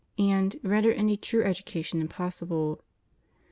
235 and render any true education impossible.